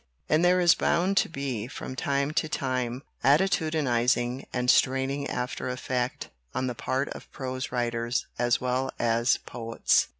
And there is bound to be, from time to time, attitudinizing and straining after effect on the part of prose writers as well as poets.